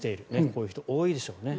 こういう人多いでしょうね。